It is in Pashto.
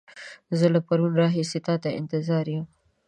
زه له پرون راهيسې تا ته انتظار يم.